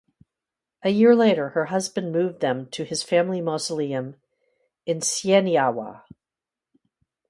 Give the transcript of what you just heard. A year later her husband moved them to his family mausoleum in Sieniawa.